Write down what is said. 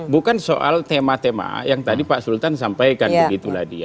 bukan soal tema tema yang tadi pak sultan sampaikan begitulah dia